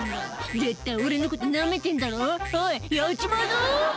「絶対俺のことナメてんだろおいやっちまうぞ」